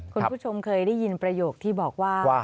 คุณผู้ชมเคยได้ยินประโยคที่บอกว่า